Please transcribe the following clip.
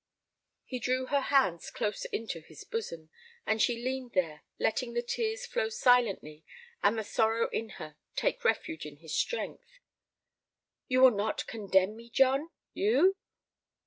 He drew her hands close into his bosom, and she leaned there, letting the tears flow silently and the sorrow in her take refuge in his strength. "You will not condemn me, John—you?"